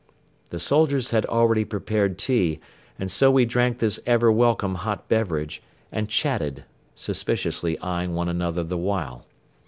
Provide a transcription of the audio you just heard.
The soldiers had already prepared tea and so we drank this ever welcome hot beverage and chatted, suspiciously eyeing one another the while.